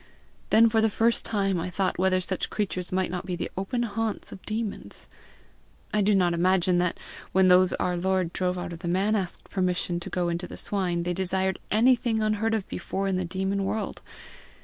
Then for the first time I thought whether such creatures might not be the open haunts of demons. I do not imagine that, when those our Lord drove out of the man asked permission to go into the swine, they desired anything unheard of before in the demon world.